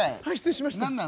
「はい失礼しました」。